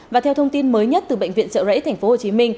và theo thông tin mới nhất từ bệnh viện trợ rẫy tp hcm